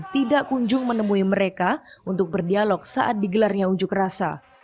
tidak kunjung menemui mereka untuk berdialog saat digelarnya unjuk rasa